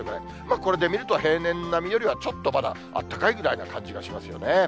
これで見ると、平年並みよりはちょっとまだあったかいぐらいな感じがしますよね。